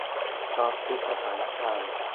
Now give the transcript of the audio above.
เกาะติดสถานการณ์